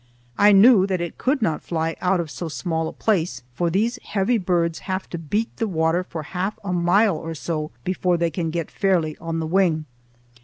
I knew that it could not fly out of so small a place, for these heavy birds have to beat the water for half a mile or so before they can get fairly on the wing.